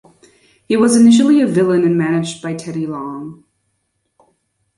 He was initially a villain and managed by Teddy Long.